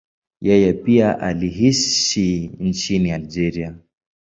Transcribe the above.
Yeye pia aliishi nchini Algeria.